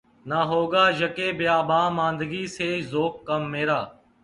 نہ ہوگا یک بیاباں ماندگی سے ذوق کم میرا